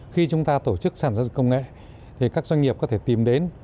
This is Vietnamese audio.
khi chúng ta tổ chức sản giao dịch công nghệ thì các doanh nghiệp có thể tìm đến